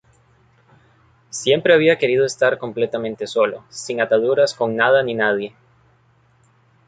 Siempre había querido estar completamente solo, sin ataduras con nada ni nadie.